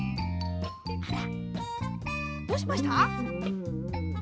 あらどうしました？